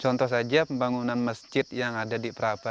contoh saja pembangunan masjid yang ada di prapa